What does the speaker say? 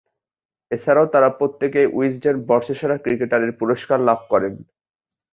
এছাড়াও তারা প্রত্যেকেই উইজডেন বর্ষসেরা ক্রিকেটারের পুরস্কার লাভ করেন।